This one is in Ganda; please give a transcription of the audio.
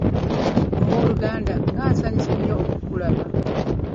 Ow'oluganda nga nsanyuse nnyo okukulaba.